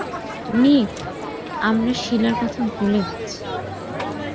নিক, আমরা শীলার কথা ভুলে গেছি!